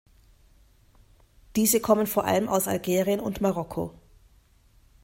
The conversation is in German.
Diese kommen vor allem aus Algerien und Marokko.